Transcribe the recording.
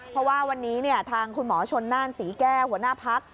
เพราะว่าวันนี้ทางคุณหมอชนน่านศรีแก้วหัวหน้าพัก